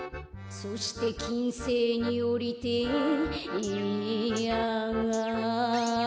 「そしてきんせいにおりてえええんやあ」